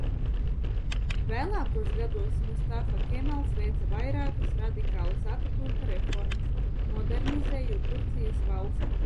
Vēlākos gados Mustafa Kemals veica vairākas radikālas Ataturka reformas, modernizējot Turcijas valsti.